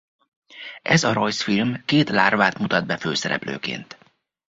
Ez a rajzfilm két lárvát mutat be főszereplőként.